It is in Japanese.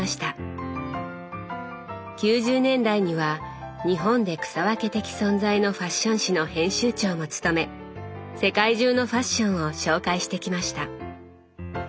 ９０年代には日本で草分け的存在のファッション誌の編集長も務め世界中のファッションを紹介してきました。